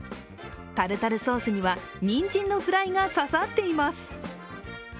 タルタルソースには人参のフライが刺さっています。